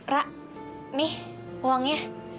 ra nih uangnya